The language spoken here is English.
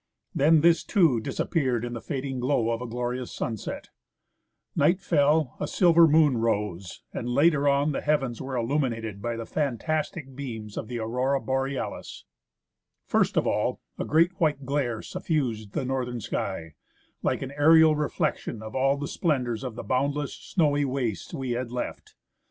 Then this too dis appeared in the fading glow of a glorious sunset ; night fell, a silver moon rose, and later on the heavens were illuminated by the fantastic beams of the Aurora Borealis. First of all, a great white glare suffused the northern sky, like an aerial reflection of all the splendours of the boundless, snowy 177 N THE ASCENT OF MOUNT ST. ELIAS wastes we had left.